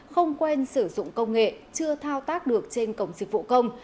không quen sử dụng công nghệ chưa thao tác được trên cổng dịch vụ công